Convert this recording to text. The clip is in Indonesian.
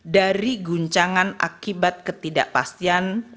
dari guncangan akibat ketidakpastian